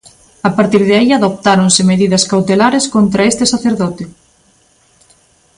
A partir de aí adoptáronse medidas cautelares contra este sacerdote.